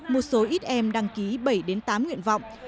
một số ít em đăng ký bảy tám nguyện vọng